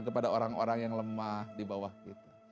kepada orang orang yang lemah di bawah kita